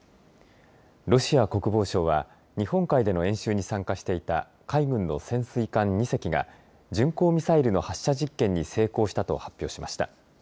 ロシア国防省は日本海での演習に参加していた海軍の潜水艦２隻が巡航ミサイルの発射実験に成功したと発表しました。